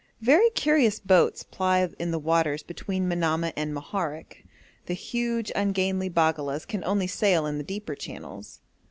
Very curious boats ply in the waters between Manamah and Moharek; the huge ungainly baggalas can only sail in the deeper channels.